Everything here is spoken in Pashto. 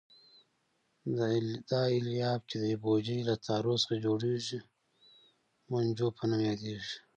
دا الیاف چې د بوجۍ له تارو څخه جوړېږي مونجو په نوم یادیږي.